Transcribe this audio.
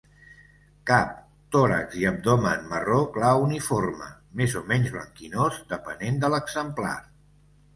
Cap, tòrax i abdomen marró clar uniforme, més o menys blanquinós depenent de l'exemplar.